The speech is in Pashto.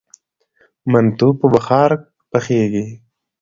منتو په بخار پخیږي.